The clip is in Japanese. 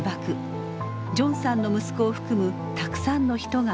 ジョンさんの息子を含むたくさんの人が亡くなりました。